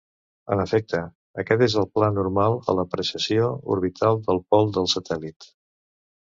En efecte, aquest és el pla normal a la precessió orbital del pol del satèl·lit.